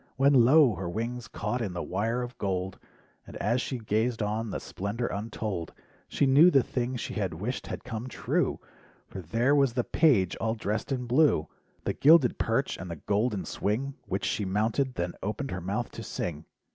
When lo! her wings caught in the wire of gold: And as she gazed on the splendor untold— She knew the thing she had wished had come true, For there was the "page" all dressed in blue. The gilded perch, and the golden swing, Which she mounted, then opened her mouth to sing.